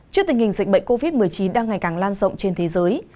trước tình hình dịch bệnh covid một mươi chín đang ngày càng lan rộng trên thế giới